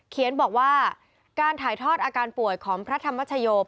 บอกว่าการถ่ายทอดอาการป่วยของพระธรรมชโยม